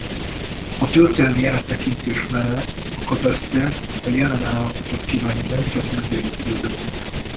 A történelmi áttekintés mellett a kataszter a jelen állapotot kívánja bemutatni az érdeklődőknek.